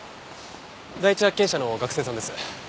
第一発見者の学生さんです。